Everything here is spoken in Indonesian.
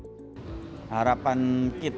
adanya dbon membawa harapan positif bagi atlet